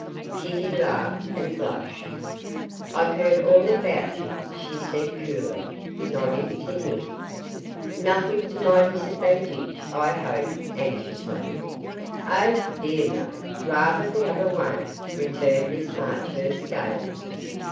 Kitty laughed, and blushed. 'I've heard all about you,' she said, coolly, nodding to him. 'Nothing to my disadvantage, I hope,' anxiously. 'Oh dear, no: rather the other way,' returned Miss Marchurst, gaily.